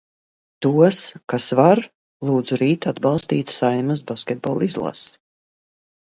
Tos, kas var, lūdzu rīt atbalstīt Saeimas basketbola izlasi.